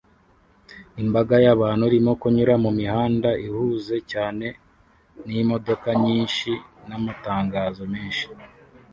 Imbaga y'abantu irimo kunyura mumihanda ihuze cyane n'imodoka nyinshi n'amatangazo menshi